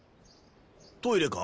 トイレか？